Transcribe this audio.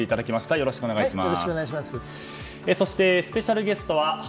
よろしくお願いします。